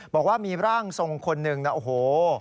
บอกว่ามีร่างทรงคนหนึ่งนะโอ้โห